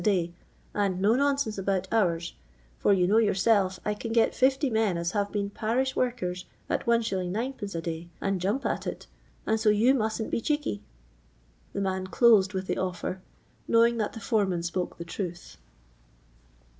a day, and no nonsense about hours ; /or you know yourself I can gel 60 nien as have been parish worhers at Is. 9d. a day, and jumj) at it, and so you m%utn*t be cheeky. The man closed with the offer^ knowing that the fore man spoke the troth.